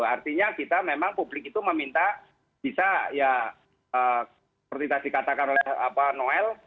artinya kita memang publik itu meminta bisa ya seperti tadi katakan oleh noel